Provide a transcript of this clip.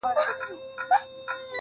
تا غرڅه غوندي اوتر اوتر کتلای-